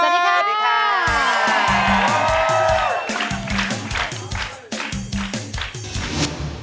กดกรึ๊บ